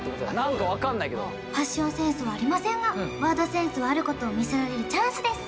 ファッションセンスはありませんがワードセンスはあることを見せられるチャンスです